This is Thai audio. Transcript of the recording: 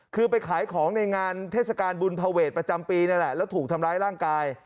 คือไปขายของในงานเทศกาลบุญภาเวทประจำปีนั่นแหละแล้วถูกทำร้ายร่างกาย